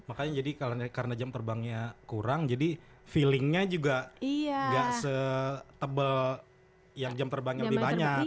makanya jadi karena jam terbangnya kurang jadi feelingnya juga gak setebel yang jam terbangnya lebih banyak